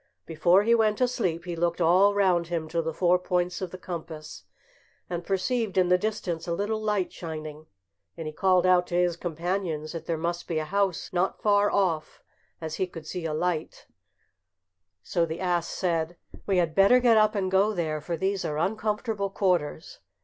Before he went to sleep he looked all round him to the four points of the compass, and perceived in the distance a little light shining, and he called out to his companions that there must be a house not far off, as he could see a light, so the ass said, "We had better get up and go there, for these are uncomfortable quarters."